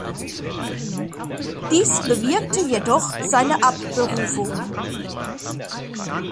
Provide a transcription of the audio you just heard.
Dies bewirkte jedoch seine Abberufung.